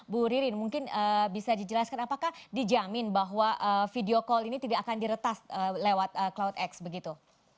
bu ririn mungkin bisa dijelaskan apakah dijamin bahwa video call ini tidak akan diretas lewat cloudx begitu